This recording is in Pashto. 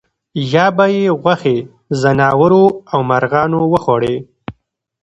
یا به یې غوښې ځناورو او مرغانو وخوړې.